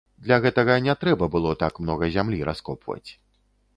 Для гэтага не трэба было так многа зямлі раскопваць.